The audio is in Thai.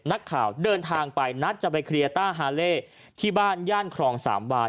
นักข่าวเดินทางไปนัดจะไปเคลียร์ต้าฮาเล่ที่บ้านย่านครองสามวาน